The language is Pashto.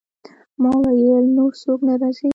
ما وویل: نور څوک نه راځي؟